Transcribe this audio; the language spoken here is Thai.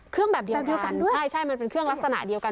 เครื่องแบบเดียวกันด้วยใช่ใช่มันเป็นเครื่องลักษณะเดียวกัน